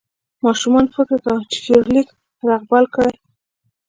ماشومان فکر کاوه چې فلیریک رغبل کړي.